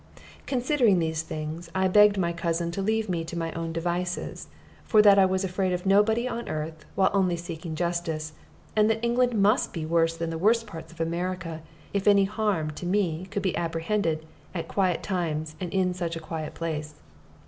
Considering these things, I begged my cousin to leave me to my own devices, for that I was afraid of nobody on earth, while only seeking justice, and that England must be worse than the worst parts of America if any harm to me could be apprehended at quiet times and in such a quiet place.